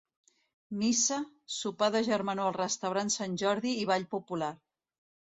Missa, sopar de germanor al Restaurant Sant Jordi i ball popular.